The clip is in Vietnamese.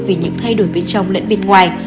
vì những thay đổi bên trong lẫn bên ngoài